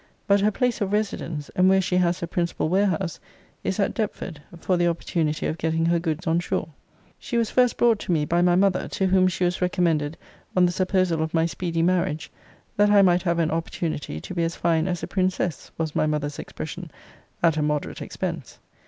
But her place of residence, and where she has her principal warehouse, is at Depford, for the opportunity of getting her goods on shore. She was first brought to me by my mother, to whom she was recommended on the supposal of my speedy marriage, 'that I might have an opportunity to be as fine as a princess,' was my mother's expression, 'at a moderate expense.'